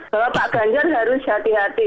bahwa pak ganjar harus hati hati